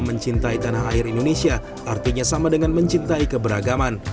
mencintai tanah air indonesia artinya sama dengan mencintai keberagaman